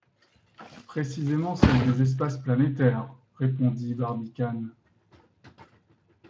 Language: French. Précisément celle des espaces planétaires, répondit Barbicane.